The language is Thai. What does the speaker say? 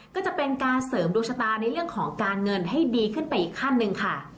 ก็จะเป็นการเสริมดวงชะตาในเรื่องของการเงินให้ดีขึ้นไปอีกขั้นหนึ่งค่ะ